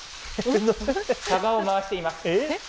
タガを回しています。